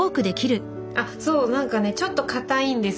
そう何かねちょっとかたいんですよ。